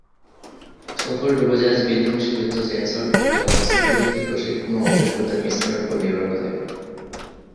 সফল ডুবোজাহাজ বিধ্বংসী যুদ্ধ সেন্সর এবং অস্ত্র প্রযুক্তি, প্রশিক্ষণ ও অভিজ্ঞতার মিশ্রণের উপর নির্ভর করে।